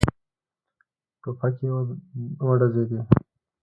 ټوپکې وډزېدې.